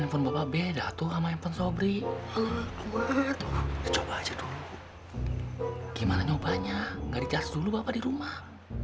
ya kan bapak beda tuh sama handphone sobri coba aja dulu gimana nyobanya nggak jas dulu bapak di rumah